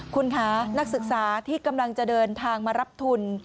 คุณคะนักศึกษาที่กำลังจะเดินทางมารับทุน